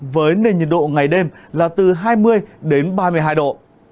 với nền nhiệt độ ngày đêm là từ hai mươi đến ba mươi hai độ